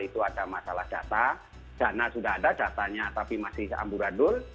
itu ada masalah data dana sudah ada datanya tapi masih amburadul